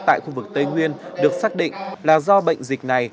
tại khu vực tây nguyên được xác định là do bệnh dịch này